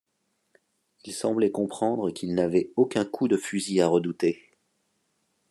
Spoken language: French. Ils semblaient comprendre qu’ils n’avaient aucun coup de fusil à redouter.